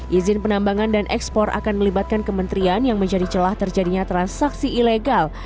izin penambangan dan ekspor akan melibatkan kementerian yang menjadi celah terjadinya transaksi ilegal